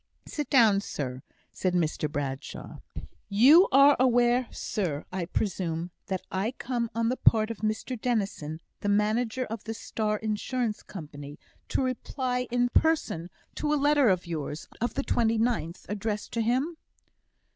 "Sit down, sir!" said Mr Bradshaw. "You are aware, sir, I presume, that I come on the part of Mr Dennison, the manager of the Star Insurance Company, to reply in person to a letter of yours, of the 29th, addressed to him?"